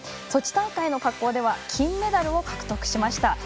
ソチ大会の滑降では金メダルを獲得しました。